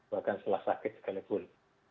bahkan setelah sakit sekalipun